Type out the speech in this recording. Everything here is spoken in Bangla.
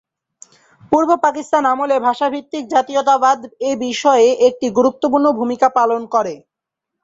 পূর্ব পাকিস্তান আমলে ভাষা ভিত্তিক জাতীয়তাবাদ এ বিষয়ে একটি গুরুত্বপূর্ণ ভূমিকা পালন করে।